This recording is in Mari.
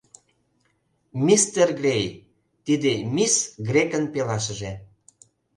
Мистер Грей — тиде мисс Грекын пелашыже.